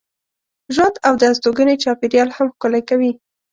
ژوند او د استوګنې چاپېریال هم ښکلی کوي.